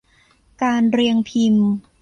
การเรียงพิมพ์